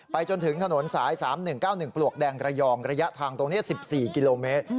จนถึงถนนสาย๓๑๙๑ปลวกแดงระยองระยะทางตรงนี้๑๔กิโลเมตร